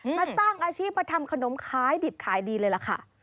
มาสร้างอาชีพประอบครามขนมค้ายดิบค้ายดีเลยล่ะค่ะ